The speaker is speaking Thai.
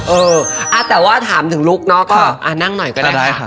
เออแต่ว่าถามถึงลุคเนอะก็นั่งหน่อยก็ได้